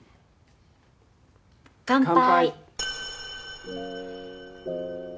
乾杯！